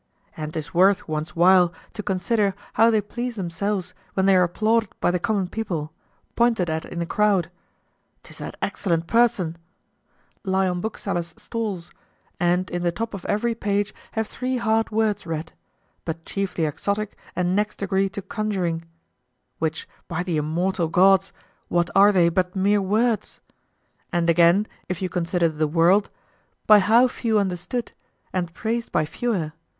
And 'tis worth one's while to consider how they please themselves when they are applauded by the common people, pointed at in a crowd, "This is that excellent person;" lie on booksellers' stalls; and in the top of every page have three hard words read, but chiefly exotic and next degree to conjuring; which, by the immortal gods! what are they but mere words? And again, if you consider the world, by how few understood, and praised by fewer!